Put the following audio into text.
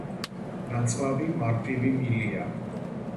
ნაწლავი მარტივი მილია.